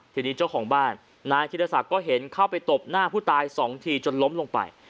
ทีนี้เจ้าของบ้านนายธิรศักดิ์ก็เห็นเข้าไปตบหน้าผู้ตายสองทีจนล้มลงไป